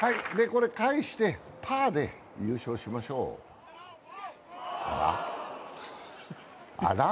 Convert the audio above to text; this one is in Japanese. これ、返してパーで優勝しましょうあら？